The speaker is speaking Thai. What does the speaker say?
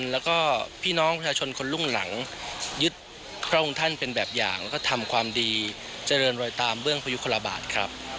แล้วก็พี่น้องประชาชนคนรุ่นหลังยึดพระองค์ท่านเป็นแบบอย่างแล้วก็ทำความดีเจริญรอยตามเบื้องพยุคลบาทครับ